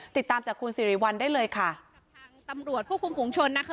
ติดตามจากคุณสิริวัลได้เลยค่ะทางตำรวจควบคุมฝุงชนนะคะ